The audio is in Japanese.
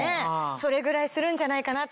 それぐらいするんじゃないかなって。